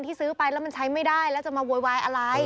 ซื้อไปแล้วมันใช้ไม่ได้แล้วจะมาโวยวายอะไร